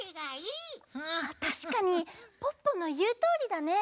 たしかにポッポのいうとおりだね。